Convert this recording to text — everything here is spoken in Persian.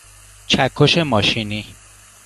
چکش ماشینی